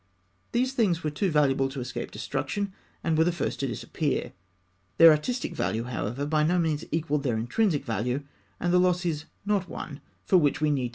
These things were too valuable to escape destruction, and were the first to disappear. Their artistic value, however, by no means equalled their intrinsic value, and the loss is not one for which we need be inconsolable.